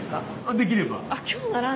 できれば。